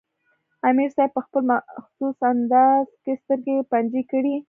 امیر صېب پۀ خپل مخصوص انداز کښې سترګې بنجې کړې